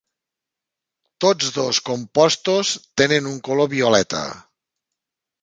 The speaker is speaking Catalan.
Tots dos compostos tenen un color violeta.